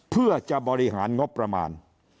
เพื่อจะบริหารงบประมาณ